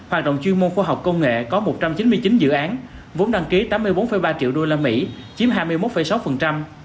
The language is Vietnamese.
hoạt động chuyên môn khoa học công nghệ có một trăm chín mươi chín dự án vốn đăng ký tám mươi bốn ba triệu usd chiếm hai mươi một sáu